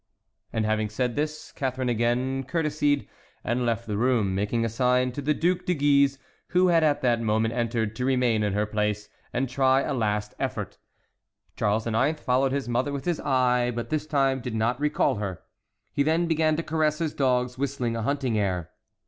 And having said this, Catharine again courteseyed and left the room, making a sign to the Duc de Guise, who had at that moment entered, to remain in her place, and try a last effort. Charles IX. followed his mother with his eye, but this time did not recall her. He then began to caress his dogs, whistling a hunting air.